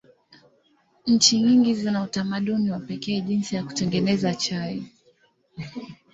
Nchi nyingi zina utamaduni wa pekee jinsi ya kutengeneza chai.